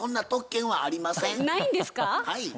はい。